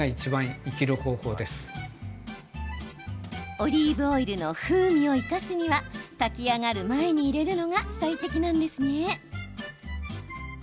オリーブオイルの風味を生かすには炊き上がる前に入れるのが最適なんですね。